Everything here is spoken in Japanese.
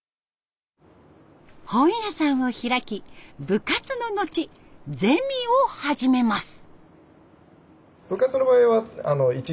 本屋さんを開き部活の後ゼミを始めます。